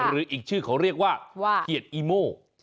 หรืออีกชื่อเขาเรียกว่าเกียรติอีโม